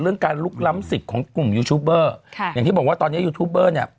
การลุกล้ำสิทธิ์ของกลุ่มยูทูบเบอร์ค่ะอย่างที่บอกว่าตอนนี้ยูทูบเบอร์เนี่ย